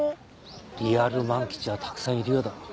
リアル万吉はたくさんいるようだ。